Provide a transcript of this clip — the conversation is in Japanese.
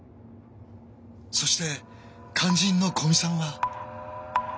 そして肝心の古見さんは。